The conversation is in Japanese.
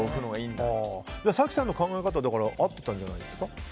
早紀さんの考え方合ってたんじゃないですか？